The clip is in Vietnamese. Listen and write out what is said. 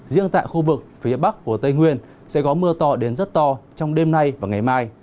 riêng tại khu vực phía bắc của tây nguyên sẽ có mưa to đến rất to trong đêm nay và ngày mai